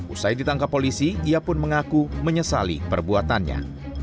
usai ditangkap polisi ia pun mengaku menyesali perbuatannya